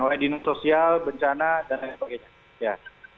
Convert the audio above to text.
oleh dinas sosial bencana dan lain sebagainya